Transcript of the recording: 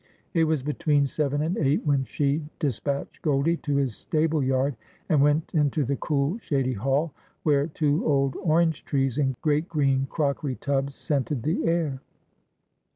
It was between seven and eight when she des patched Goldie to his stable yard, and went into the cool shady hall, where two old orange trees in great green crockery tubs scented the air.